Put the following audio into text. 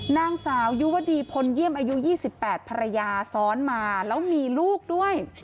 นางสาวยุวดีพลเยี่ยมอายุ๒๘ภรรยาซ้อนมาแล้วมีลูกด้วย